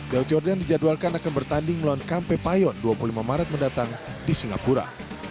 daud jordan dijadwalkan akan bertanding melawan kampe payon dua puluh lima maret mendatang di singapura